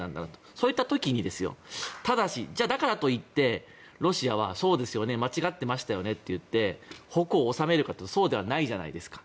そういった時にただし、じゃあだからといってロシアは、そうですよね間違ってましたよねと言って矛を収めるかというとそうではないじゃないですか。